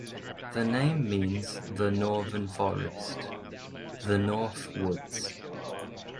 The name means the "northern forest", the Northwoods.